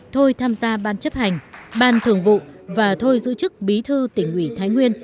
thôi tham gia ban chấp hành ban thường vụ và thôi giữ chức bí thư tỉnh ủy thái nguyên